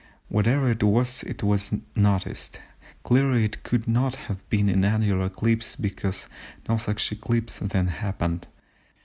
Whatever it was that was noticed, clearly it could not have been an annular eclipse, because no such eclipse then happened.